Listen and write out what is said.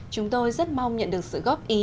chúng tôi rất mong nhận được sự góp ý